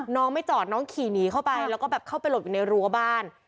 น้องไม่จอดน้องขี่หนีเข้าไปแล้วก็แบบเข้าไปหลบอยู่ในรั้วบ้าน